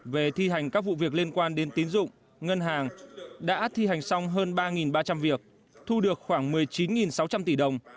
về thi hành các vụ việc liên quan đến tín dụng ngân hàng đã thi hành xong hơn ba ba trăm linh việc thu được khoảng một mươi chín sáu trăm linh tỷ đồng